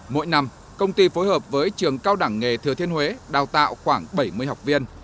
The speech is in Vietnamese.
mỗi năm công ty phối hợp với trường cao đẳng nghề thừa thiên huế đào tạo khoảng bảy mươi học viên